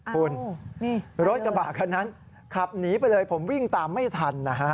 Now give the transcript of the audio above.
คุณรถกระบะคันนั้นขับหนีไปเลยผมวิ่งตามไม่ทันนะฮะ